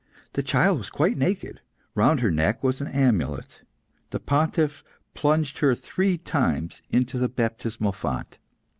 The child was quite naked; round her neck was an amulet. The Pontiff plunged her three times into the baptismal font.